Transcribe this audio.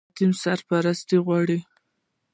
یتیم سرپرست غواړي